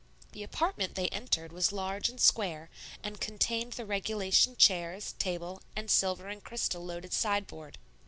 The apartment they entered was large and square, and contained the regulation chairs, table, and silver and crystal loaded sideboard.